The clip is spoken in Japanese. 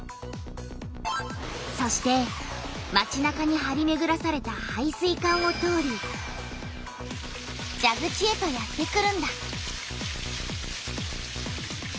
そしてまちなかにはりめぐらされた配水管を通りじゃぐちへとやってくるんだ。